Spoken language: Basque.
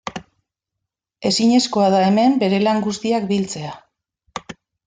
Ezinezkoa da hemen bere lan guztiak biltzea.